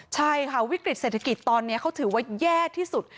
ใช่ค่ะวิกฤตเศรษฐกิจตอนนี้เขาถือว่าแย่ที่สุด